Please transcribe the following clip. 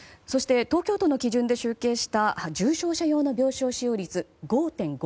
そして東京都の基準で集計した重症者用の病床使用率５．５％。